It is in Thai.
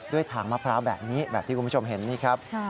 ถางมะพร้าวแบบนี้แบบที่คุณผู้ชมเห็นนี่ครับ